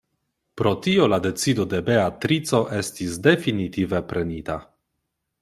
Pro tio la decido de Beatrico estis definitive prenita.